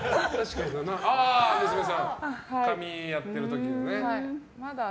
娘さん、髪やってる時のね。